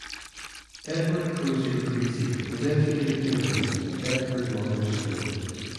Edward Crozier Creasy was educated in England at Bedford Modern School.